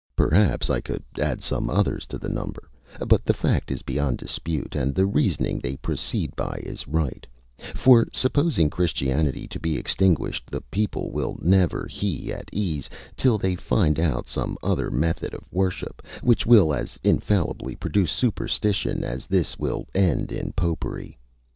Perhaps I could add some others to the number; but the fact is beyond dispute, and the reasoning they proceed by is right: for supposing Christianity to be extinguished the people will never he at ease till they find out some other method of worship, which will as infallibly produce superstition as this will end in Popery.